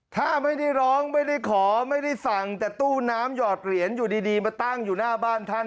ถ้าไม่ได้ร้องไม่ได้ขอไม่ได้สั่งแต่ตู้น้ำหยอดเหรียญอยู่ดีมาตั้งอยู่หน้าบ้านท่าน